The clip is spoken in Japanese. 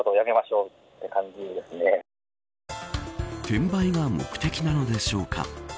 転売が目的なのでしょうか。